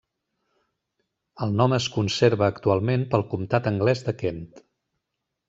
El nom es conserva actualment pel comtat anglès de Kent.